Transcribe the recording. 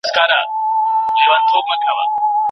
انشاءالله وطن به زرغون شي.